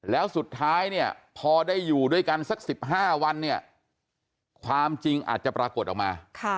แล้วสุดท้ายเนี่ยพอได้อยู่ด้วยกันสัก๑๕วันเนี่ยความจริงอาจจะปรากฏออกมา